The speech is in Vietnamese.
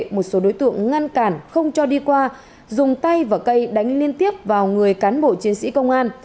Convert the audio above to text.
một số đối tượng ngăn cản không cho đi qua dùng tay và cây đánh liên tiếp vào người cán bộ chiến sĩ công an